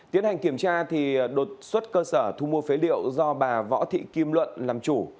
tiến hành kiểm tra đột xuất cơ sở thu mua phế liệu do bà võ thị kim luận làm chủ